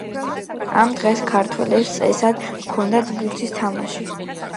ამ დღეს ქართველებს წესად ჰქონდათ ბურთის თამაში.